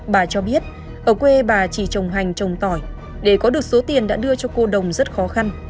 bà cho biết ở quê bà chỉ trồng hành trồng tỏi để có được số tiền đã đưa cho cô đồng rất khó khăn